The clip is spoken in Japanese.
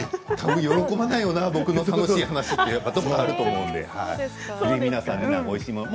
喜ばないよな僕の楽しい話、となると思うのでぜひ皆さんおいしいもの